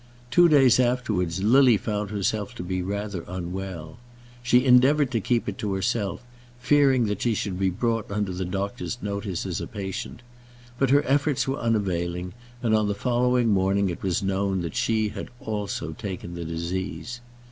Two days afterwards Lily found herself to be rather unwell. She endeavoured to keep it to herself, fearing that she should be brought under the doctor's notice as a patient; but her efforts were unavailing, and on the following morning it was known that she had also taken the disease.